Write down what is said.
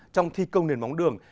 trong thi công nền móng đường